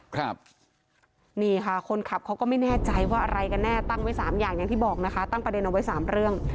ครับนี่ค่ะคนขับเขาก็ไม่แน่ใจว่าอะไรกันแน่ตั้งไว้สามอย่างอย่างที่บอกนะคะตั้งประเด็นเอาไว้สามเรื่อง